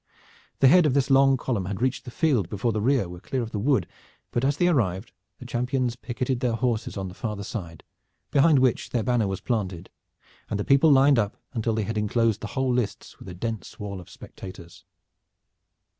The head of this long column had reached the field before the rear were clear of the wood, but as they arrived the champions picketed their horses on the farther side, behind which their banner was planted and the people lined up until they had inclosed the whole lists with a dense wall of spectators.